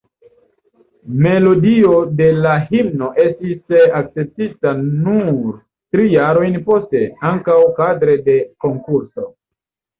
Melodio de la himno estis akceptita nur tri jarojn poste, ankaŭ kadre de konkurso.